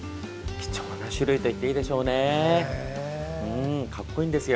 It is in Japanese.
貴重な種類といっていいでしょうね。